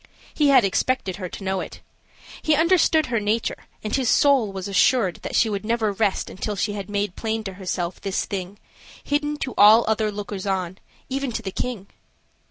He had expected her to know it. He understood her nature, and his soul was assured that she would never rest until she had made plain to herself this thing, hidden to all other lookers on, even to the king.